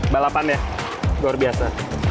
balapan ya luar biasa